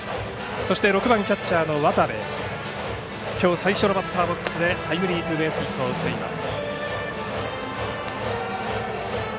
そして６番キャッチャーの渡部きょう最初のバッターボックスでタイムリーツーベースヒットを打っています。